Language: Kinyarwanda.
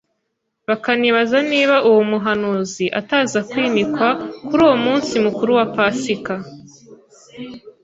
bakanibaza niba uwo muhanuzi ataza kwimikwa kuri uwo munsi mukuru wa Pasika